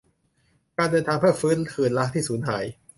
"การเดินทางเพื่อฟื้นคืนรักที่สูญหาย"